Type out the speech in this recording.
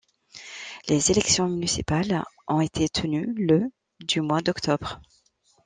Les élections municipales ont été tenues le du mois d'octobre.